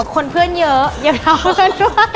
คนเพื่อนเยอะเยอะเยอะเยอะเยอะ